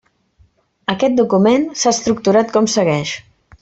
Aquest document s'ha estructurat com segueix.